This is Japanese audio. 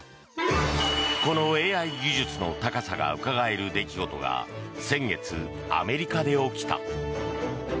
このＡＩ技術の高さがうかがえる出来事が先月、アメリカで起きた。